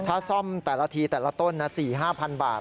ถ้าซ่อมแต่ละทีแต่ละต้นนะ๔๕๐๐บาท